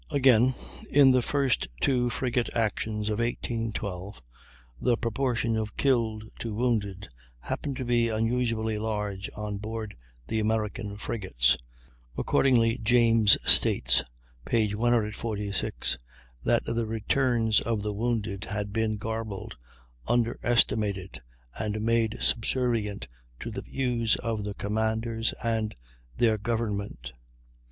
Again, in the first two frigate actions of 1812, the proportion of killed to wounded happened to be unusually large on board the American frigates; accordingly James states (p. 146) that the returns of the wounded had been garbled, under estimated, and made "subservient to the views of the commanders and their government."